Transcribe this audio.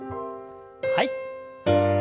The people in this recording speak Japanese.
はい。